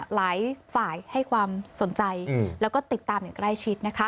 หลายฝ่ายให้ความสนใจแล้วก็ติดตามอย่างใกล้ชิดนะคะ